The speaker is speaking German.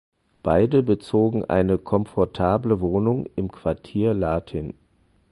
Beide bezogen eine komfortable Wohnung im Quartier Latin.